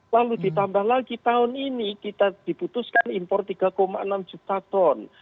lalu ditambah lagi tahun ini kita dibutuhkan impor tiga enam juta ton